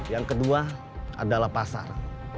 yang kedua adalah pasar